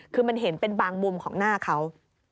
คือมันเห็นเป็นบางมุมของหน้าเขา